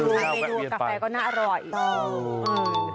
เมนูกาแฟก็น่าอร่อย